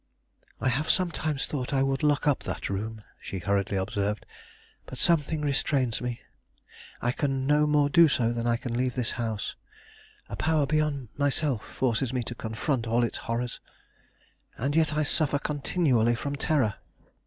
"I have sometimes thought I would lock up that room," she hurriedly observed; "but something restrains me. I can no more do so than I can leave this house; a power beyond myself forces me to confront all its horrors. And yet I suffer continually from terror.